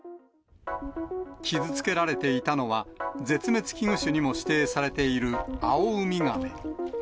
傷つけられていたのは、絶滅危惧種にも指定されているアオウミガメ。